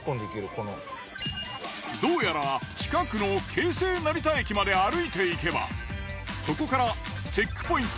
どうやら近くの京成成田駅まで歩いて行けばそこからチェックポイント